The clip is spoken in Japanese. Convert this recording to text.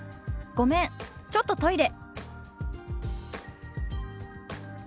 「ごめんちょっとトイレ」。